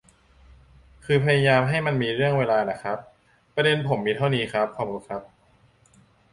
คือพยายามให้มันมีเรื่องเวลาน่ะครับ ประเด็นผมมีเท่านี้ครับ ขอบคุณครับ